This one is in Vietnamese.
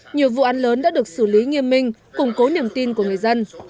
nhiều vụ án lớn đã được xử lý nghiêm minh củng cố niềm tin của người dân